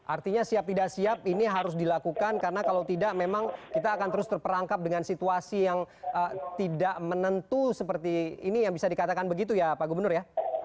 artinya siap tidak siap ini harus dilakukan karena kalau tidak memang kita akan terus terperangkap dengan situasi yang tidak menentu seperti ini yang bisa dikatakan begitu ya pak gubernur ya